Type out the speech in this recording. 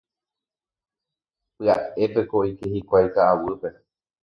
Pya'épeko oike hikuái ka'aguýpe.